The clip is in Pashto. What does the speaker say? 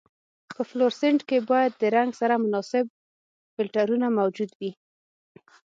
په فلورسنټ کې باید د رنګ سره مناسب فلټرونه موجود وي.